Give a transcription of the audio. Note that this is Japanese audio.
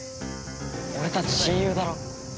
俺たち親友だろ？